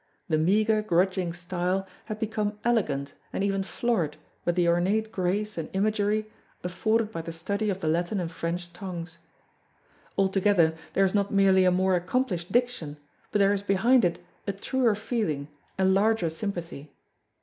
The meagre grudging style has become elegant and even florid with the ornate grace and imagery afforded by the study of the Latin and French tongues. Altogether there is not merely a more accomplished diction but there is behind it a truer feeling and larger sympathy.